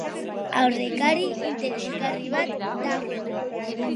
Aurrekari interesgarri bat dago.